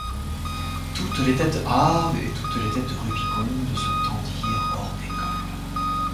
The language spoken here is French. Toutes les têtes hâves et toutes les têtes rubicondes se tendirent hors des cols.